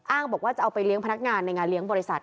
บอกว่าจะเอาไปเลี้ยงพนักงานในงานเลี้ยงบริษัท